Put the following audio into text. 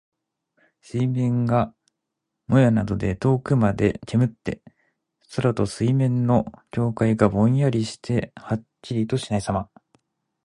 水面がもやなどで遠くまで煙って、空と水面の境界がぼんやりしてはっきりとしないさま。